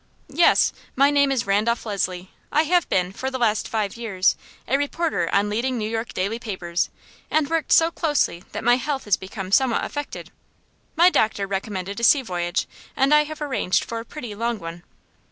"Yes. My name is Randolph Leslie. I have been, for the last five years, a reporter on leading New York daily papers, and worked so closely that my health has become somewhat affected. My doctor recommended a sea voyage, and I have arranged for a pretty long one."